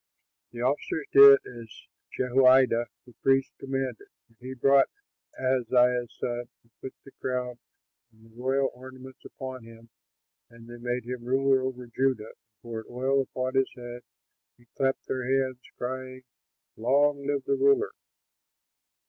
The officers did as Jehoiada the priest commanded. And he brought out Ahaziah's son and put the crown and the royal ornaments upon him; and they made him ruler over Judah and poured oil upon his head and clapped their hands, crying, "Long live the ruler!"